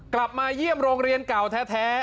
กลับมาเยี่ยมโรงเรียนเก่าแท้